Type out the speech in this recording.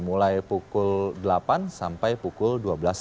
mulai pukul delapan sampai pukul sepuluh